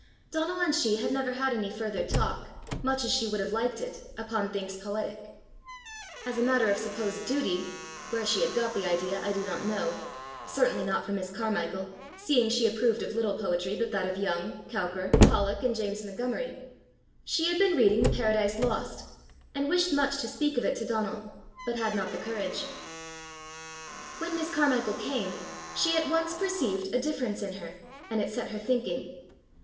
Donal and she had never had any further talk, much as she would have liked it, upon things poetic. As a matter of supposed duty where she had got the idea I do not know certainly not from Miss Carmichael, seeing she approved of little poetry but that of Young, Cowper, Pollok, and James Montgomery she had been reading the Paradise Lost, and wished much to speak of it to Donal, but had not the courage. When Miss Carmichael came, she at once perceived a difference in her, and it set her thinking.